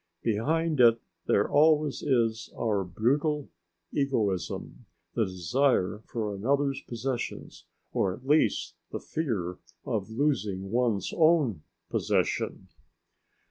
Behind it there always is our brutal egoism, the desire for another's possessions, or at least the fear of losing one's own possession.